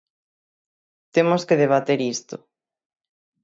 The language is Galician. Temos que debater isto.